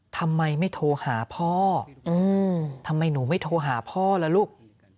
ทำไมไม่โทรหาพ่อทำไมหนูไม่โทรหาพ่อล่ะลูก